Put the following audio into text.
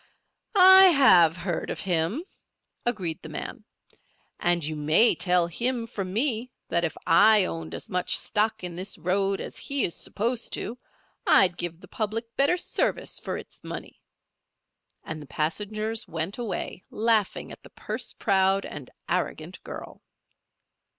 "I have heard of him," agreed the man. "And you may tell him from me that if I owned as much stock in this road as he is supposed to, I'd give the public better service for its money," and the passengers went away, laughing at the purse proud and arrogant girl.